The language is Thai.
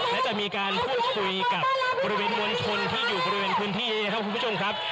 และจะมีการพูดคุยกับบริเวณมวลชนที่อยู่บริเวณพื้นที่นี้นะครับคุณผู้ชมครับ